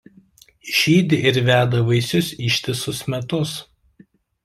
Žydi ir veda vaisius ištisus metus.